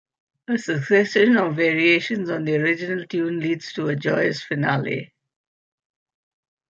A succession of variations on the original tune leads to a joyous finale.